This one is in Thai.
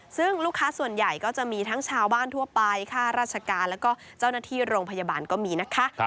ซึ่งลูกค้าส่วนใหญ่ก็จะมีทั้งชาวบ้านทั่วไปค่าราชการแล้วก็เจ้าหน้าที่โรงพยาบาลก็มีนะคะ